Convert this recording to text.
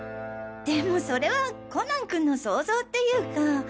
でもそれはコナン君の想像っていうか。